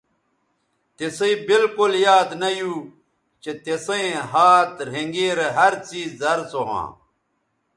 تِسئ بالکل یاد نہ یو چہء تسئیں ھات رھینگیرے ھر څیز زر سو ھواں